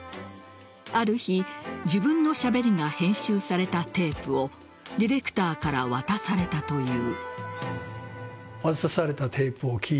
ある日、自分のしゃべりが編集されたテープをディレクターから渡されたという。